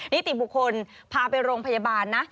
นิติบุคคลพาไปโรงพยาบาลนะ